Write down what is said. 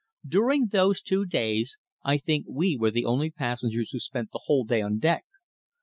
During those two days I think we were the only passengers who spent the whole day on deck.